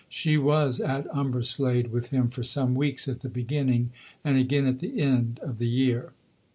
She was at Umberslade with him for some weeks at the beginning, and again at the end, of the year.